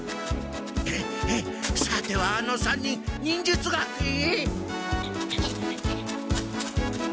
さてはあの３人忍術学園へ？